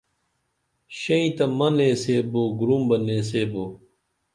شیئں تہ مہ نیسبو گُروم بہ نیسبو